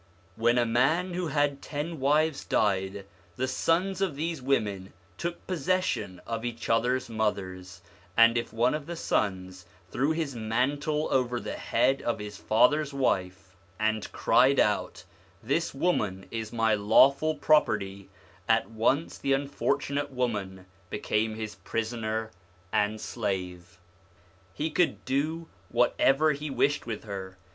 When a man who had ten wives died, the sons of these women took possession of each other's mothers ; and if one of the sons threw his mantle over the head of his father's wife and cried out, ' This woman is my lawful property,' at once the unfortunate woman be came his prisoner and slave. He could do whatever he wished with her.